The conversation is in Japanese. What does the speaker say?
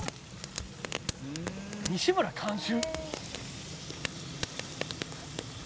「“西村監修”！？」